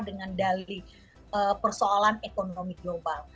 dengan dali persoalan ekonomi global